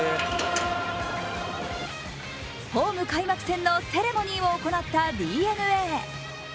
ホーム開幕戦のセレモニーを行ったＤｅＮＡ。